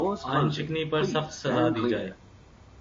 آئین شکنی پر سخت سزا دی جائے